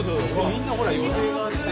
みんなほら予定があって。